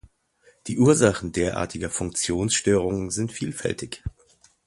Die Ursachen derartiger Funktionsstörungen sind vielfältig.